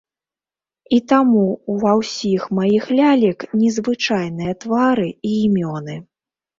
І таму ўва ўсіх маіх лялек незвычайныя твары і імёны.